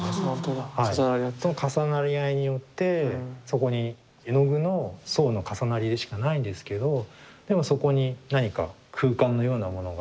その重なり合いによってそこに絵の具の層の重なりでしかないんですけどでもそこに何か空間のようなものが我々の目には見えてくる。